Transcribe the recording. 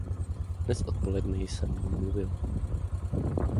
Dnes odpoledne jsem mluvil.